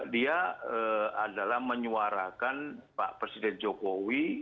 dia adalah menyuarakan pak presiden jokowi